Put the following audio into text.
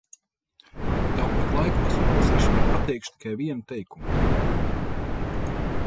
Taupot laiku, es nolasīšu jeb pateikšu tikai vienu teikumu.